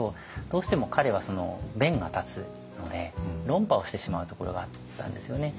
どうしても彼は弁が立つので論破をしてしまうところがあったんですよね。